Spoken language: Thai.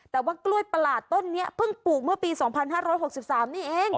แต่ว่ากล้วยประหลาดต้นนี้เพิ่งปลูกเมื่อปี๒๕๖๓นี่เอง